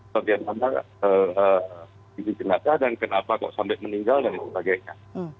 bagaimana ini jenazah dan kenapa kok sampai meninggal dan sebagainya